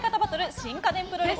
新家電プロレス。